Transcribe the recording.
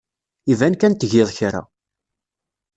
Iban kan tgid kra.